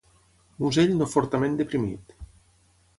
Musell no fortament deprimit.